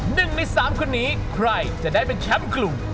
หนึ่งในสามคนนี้ใครจะได้เป็นแชมป์กลุ่ม